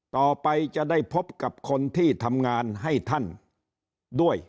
ต่อไปจะได้พบกับคนที่ทำงานให้ท่านด้วย